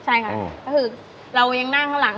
ใช่ค่ะก็คือเรายังนั่งข้างหลัง